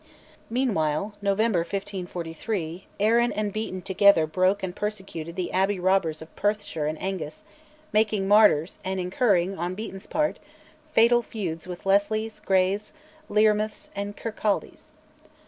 Meanwhile (November 1543) Arran and Beaton together broke and persecuted the abbey robbers of Perthshire and Angus, making "martyrs" and incurring, on Beaton's part, fatal feuds with Leslies, Greys, Learmonths, and Kirkcaldys.